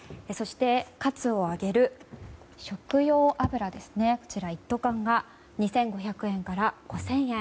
カツを揚げる食用油は一斗缶が２５００円から５０００円